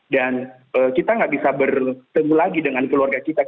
dan kita tidak bisa bertemu lagi dengan keluarga kita